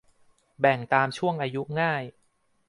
แบ่งตามช่วงอายุง่าย